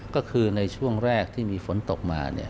ก็คือในช่วงแรกที่มีฝนตกมา